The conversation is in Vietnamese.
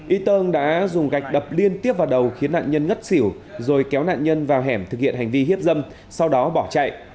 y tơng đã dùng gạch đập liên tiếp vào đầu khiến nạn nhân ngất xỉu rồi kéo nạn nhân vào hẻm thực hiện hành vi hiếp dâm sau đó bỏ chạy